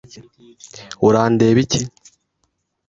Urandeba iki?